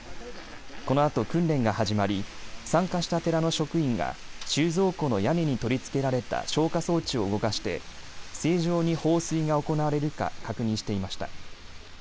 このあと訓練が始まり参加した寺の職員が収蔵庫の屋根に取り付けられた消火装置を動かして正常に放水が行われるか確認していました。